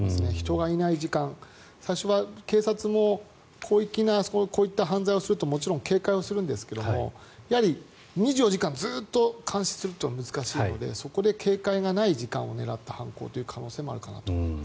人がいない時間、最初は警察も広域なこういった犯罪をするともちろん警戒をするんですがやはり、２４時間ずっと監視するというのは難しいのでそこで警戒がない時間を狙った犯行という可能性もあるかと思います。